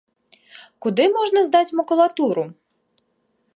Куды можна здаць макулатуру?